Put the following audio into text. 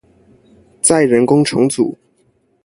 再人工重組